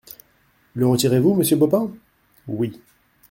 Le retirez-vous, monsieur Baupin ? Oui.